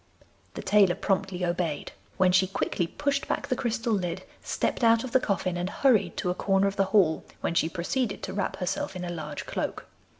The tailor promptly obeyed, when she quickly pushed back the crystal lid, stepped out of the coffin and hurried to a corner of the hall, when she proceeded to wrap herself in a large cloak.